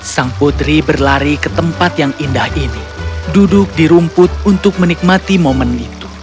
sang putri berlari ke tempat yang indah ini duduk di rumput untuk menikmati momen itu